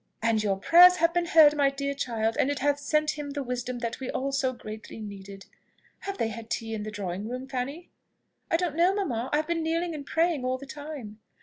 "And your prayers have been heard, my dear child; and it hath sent him the wisdom that we all so greatly needed. Have they had tea in the drawing room, Fanny?" "I don't know, mamma. I have been kneeling and praying all the time."